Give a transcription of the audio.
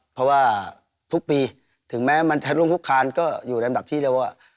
เพราะว่าทุกปีถึงแม้มันจะล่วงคุกคานก็อยู่ลำดับที่เรียกว่า